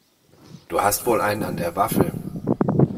Du hast wohl einen an der Waffel!